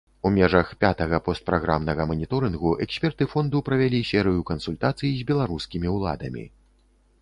У межах пятага постпраграмнага маніторынгу эксперты фонду правялі серыю кансультацый з беларускімі ўладамі.